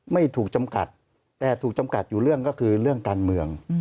ไม่ถูกจำกัดแต่ถูกจำกัดอยู่เรื่องก็คือเรื่องการเมือง